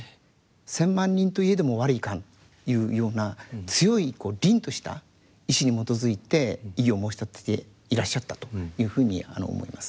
「千万人と雖も吾往かん」というような強い凜とした意志に基づいて異議を申し立てていらっしゃったというふうに思います。